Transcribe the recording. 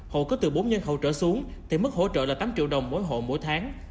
hộ có từ bốn nhân khẩu trở xuống thì mức hỗ trợ là tám triệu đồng mỗi hộ mỗi tháng